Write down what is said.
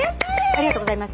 ありがとうございます。